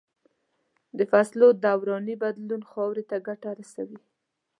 د فصلو دوراني بدلون خاورې ته ګټه رسوي.